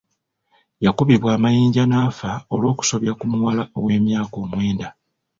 Yakubibwa amayinja n'afa olw'okusobya ku muwala ow'emyaka omwenda.